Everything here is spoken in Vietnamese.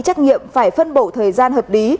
trách nghiệm phải phân bổ thời gian hợp lý